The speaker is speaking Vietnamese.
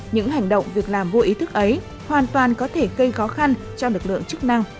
những hành động việc làm vô ý thức ấy hoàn toàn có thể gây khó khăn cho lực lượng chức năng